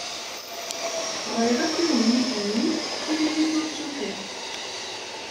Ɣriɣ akk iwenniten-nni, tiririt ur tt-ufiɣ.